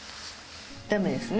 ダメですね。